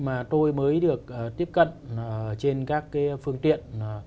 mà tôi mới được tiếp cận trên các phương tiện